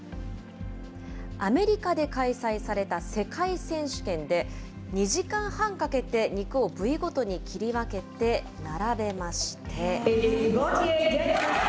アメリカで開催された世界選手権で、２時間半かけて肉を部位ごとに切り分けて、並べまして。